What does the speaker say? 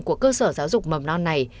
của cơ sở giáo dục mầm non này